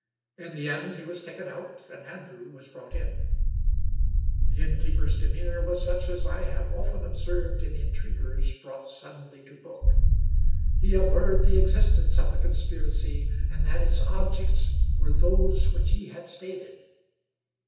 In the end he was taken out and Andrew was brought in. The innkeeper's de meanor was such as I have often observed in intriguers brought suddenly to book. He averred the existence of the conspiracy, and that its objects were those which he had stated.